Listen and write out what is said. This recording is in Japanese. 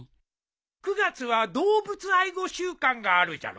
９月は動物愛護週間があるじゃろ。